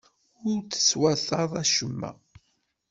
Ur teswataḍ acemma.